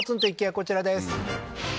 こちらです